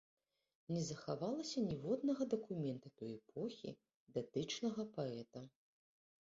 Не захавалася ніводнага дакумента той эпохі, датычнага паэта.